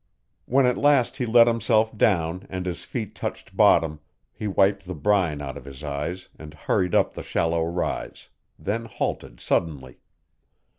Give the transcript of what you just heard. When at last he let himself down and his feet touched bottom, he wiped the brine out of his eyes and hurried up the shallow rise then halted suddenly.